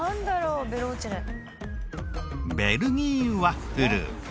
ベルギーワッフル。